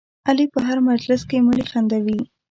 علي په هر مجلس کې مړي خندوي.